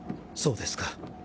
そうですか。